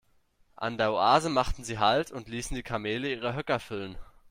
An der Oase machten sie Halt und ließen die Kamele ihre Höcker füllen.